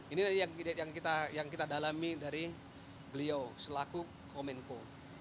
ini yang kita dalami dari beliau selaku kominko